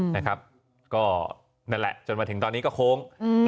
นั่นแหละจนมาถึงตอนนี้ก็โค้ง